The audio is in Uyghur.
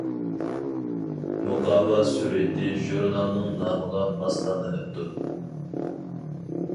مۇقاۋا سۈرىتى ژۇرنالنىڭ نامىغا ماس تاللىنىپتۇ.